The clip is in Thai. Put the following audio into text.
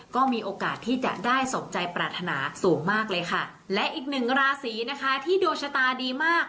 ก็มีโอกาสที่จะได้สมใจปรารถนาสูงมากเลยค่ะและอีกหนึ่งราศีนะคะที่ดวงชะตาดีมาก